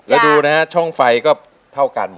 แล้วดูนะฮะช่องไฟก็เท่ากัน